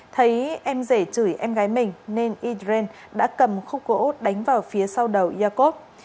thấy em rể chửi em gái mình nên yacob đã cầm khúc gỗ đánh vào phía sau đầu yacob